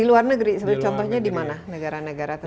di luar negeri contohnya dimana negara negara tetap